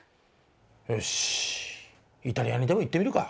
よしイタリアにでも行ってみるか。